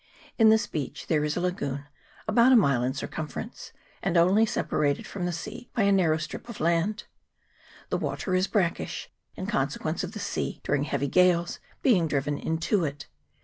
In this beach there is a lagoon about a mile in cir cumference, and only separated from the sea by a 108 ENTRY ISLAND. [PART I. narrow strip of land. The water is brackish, in consequence of the sea, during heavy gales, being driven into it.